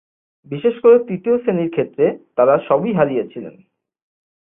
বিশেষ করে তৃতীয় শ্রেণীর ক্ষেত্রে, তারা সবই হারিয়েছিল।